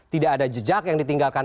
tidak ada jejak yang ditinggalkan